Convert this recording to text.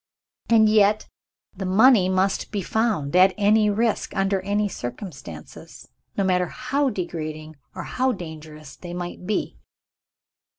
And yet, the money must be found at any risk, under any circumstances, no matter how degrading or how dangerous they might be.